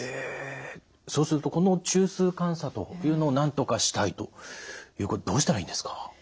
そうするとこの中枢感作というのをなんとかしたいということでどうしたらいいんですか？